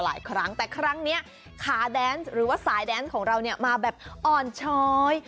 มากลังแต่ว่าขาเดนส์หรือว่าสายเดนส์ครึ่งเราเนี่ยมาแบบอ่อนช้อย